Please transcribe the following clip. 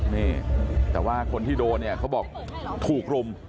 นี่แต่ว่าคนที่โดนเนี่ยเขาบอกถูกรุม